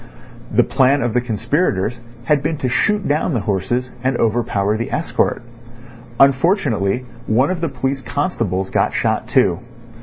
The plan of the conspirators had been to shoot down the horses and overpower the escort. Unfortunately, one of the police constables got shot too.